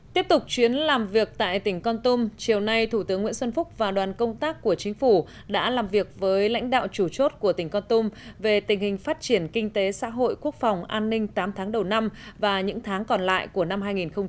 tiếp tục chuyến làm việc tại tỉnh con tum chiều nay thủ tướng nguyễn xuân phúc và đoàn công tác của chính phủ đã làm việc với lãnh đạo chủ chốt của tỉnh con tum về tình hình phát triển kinh tế xã hội quốc phòng an ninh tám tháng đầu năm và những tháng còn lại của năm hai nghìn một mươi chín